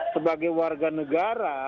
sebagai warga negara